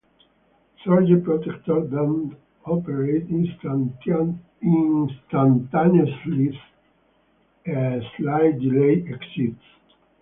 Surge protectors don't operate instantaneously; a slight delay exists.